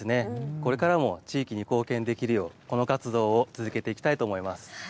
これからも地域に貢献できるようこの活動を続けていきたいと思います。